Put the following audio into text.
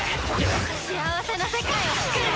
幸せな世界をつくる！